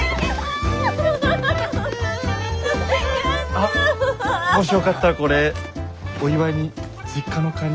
あっもしよかったらこれお祝いに実家のカニ。